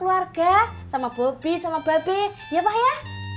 warga sama bobby sama baby ya pak ya